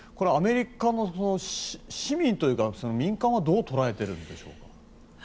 アメリカの市民というか民間はどう捉えているんでしょう？